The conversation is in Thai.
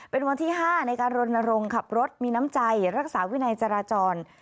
เป็นวันที่๕ในการรณรงค์ขับรถมีน้ำใจรักษาวินัยจราจร